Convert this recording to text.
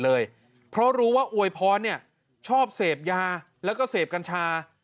เลยเพราะรู้ว่าอวยพรเนี่ยชอบเสพยาแล้วก็เสพกัญชา